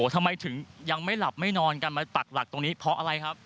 ทำไมถึงยังไม่หลับไม่นอนกันมาปักหลักตรงนี้เพราะอะไรครับ